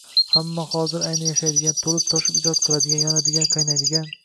Ammo hozir ayni yashaydigan, to‘lib-toshib ijod qiladigan, yonadigan, qaynaydigan